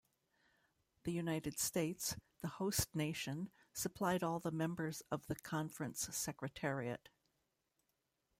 The United States, the host nation, supplied all the members of the conference secretariat.